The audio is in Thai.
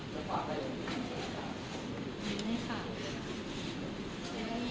ขอตอบเรื่องในวันนี้ต่อนะครับ